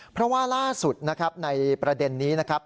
เพราะว่าล่าสุดนะครับในประเด็นนี้นะครับ